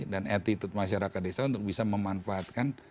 dan attitude masyarakat desa untuk bisa memanfaatkan